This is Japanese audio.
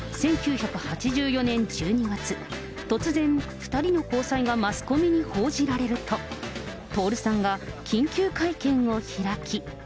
しかし、２人の交際がマスコミに報じられると、徹さんが緊急会見を開き。